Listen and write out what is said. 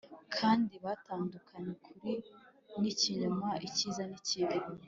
kandi batandukanye ukuri n’ikinyoma, icyiza n’ikibi.